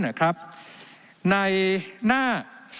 ในหน้า๒๕๑